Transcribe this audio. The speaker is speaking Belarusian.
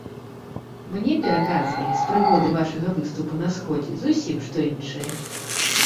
Мне пераказвалі, з прыгоды вашага выступу на сходзе, зусім што іншае.